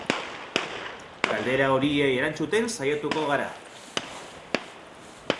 Galdera horiei erantzuten saiatuko gara.